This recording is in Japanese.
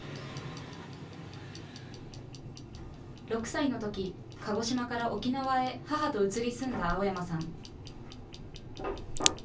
６歳のとき、鹿児島から沖縄へ母と移り住んだ青山さん。